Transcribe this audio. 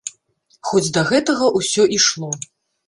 Хоць да гэтага ўсё ішло.